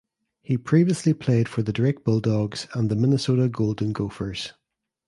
He previously played for the Drake Bulldogs and the Minnesota Golden Gophers.